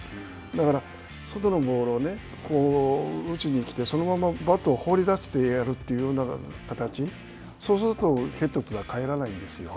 だから、外のボールをこう、打ちにきて、そのままバットをほうりだしてやるというような形そうすると、ヘッドというのは返らないんですよ。